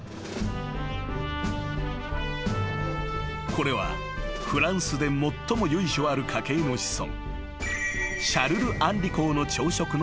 ［これはフランスで最も由緒ある家系の子孫］